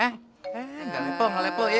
enggak lepel enggak lepel ya